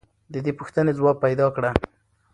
د دې پوښتنې ځواب پیدا کړه.